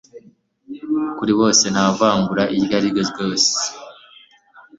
kuri bose nta vangura iryari ryo ryose